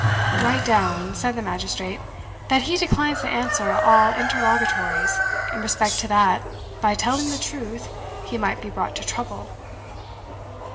"Write down," said the magistrate, "that he declines to answer all interrogatories, in respect that by telling the truth he might be brought to trouble."